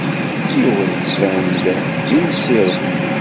Yuba yettban-d d imsirem.